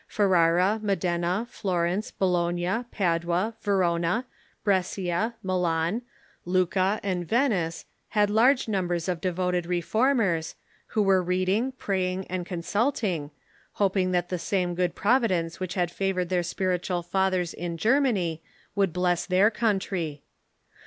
Ferrara, Modena, Florence, Bologna, Padua, Verona, Brescia, Milan, Lucca, and Venice had large numbers of de voted Reformers, who were reading, praying, and consulting, hoping that the same good providence which had favored their spiritual fathers in Germany would bless their country.